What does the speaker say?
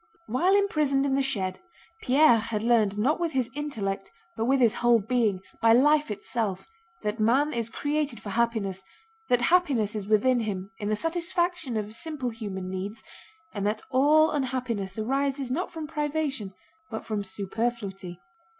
While imprisoned in the shed Pierre had learned not with his intellect but with his whole being, by life itself, that man is created for happiness, that happiness is within him, in the satisfaction of simple human needs, and that all unhappiness arises not from privation but from superfluity.